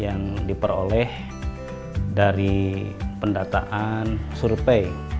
yang diperoleh dari pendataan survei